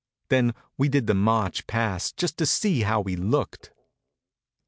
Then we did the march past just to see how we looked.